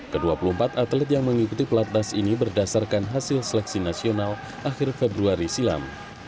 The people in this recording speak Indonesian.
ke dua puluh empat atlet yang mengikuti pelatnas ini berdasarkan hasil seleksi nasional akhir februari silam